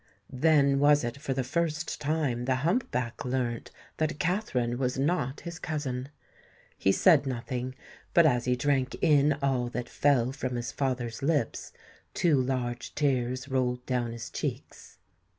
Then was it for the first time the hump back learnt that Katherine was not his cousin. He said nothing; but, as he drank in all that fell from his father's lips, two large tears rolled down his cheeks.